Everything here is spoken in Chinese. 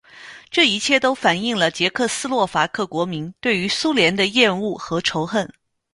这一切都反映了捷克斯洛伐克国民对于苏联的厌恶和仇恨。